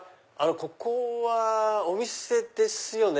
ここはお店ですよね？